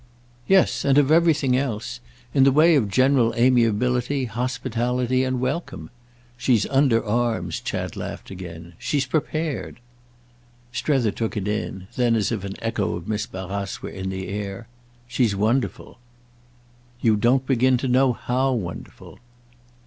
"Yes, and of everything else. In the way of general amiability, hospitality and welcome. She's under arms," Chad laughed again; "she's prepared." Strether took it in; then as if an echo of Miss Barrace were in the air: "She's wonderful." "You don't begin to know how wonderful!"